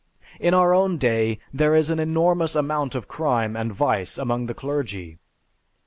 In our own day, there is an enormous amount of crime and vice among the clergy.